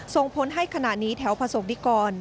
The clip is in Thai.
ส่งผลให้ขณะนี้แถวประสบนิกร